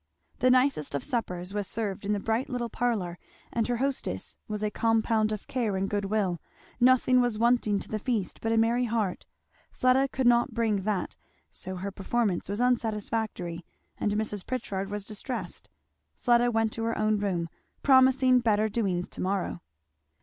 The nicest of suppers was served in the bright little parlour and her hostess was a compound of care and good will; nothing was wanting to the feast but a merry heart. Fleda could not bring that, so her performance was unsatisfactory and Mrs. Pritchard was distressed. Fleda went to her own room promising better doings to morrow.